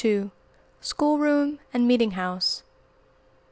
SCHOOLROOM AND MEETING HOUSE.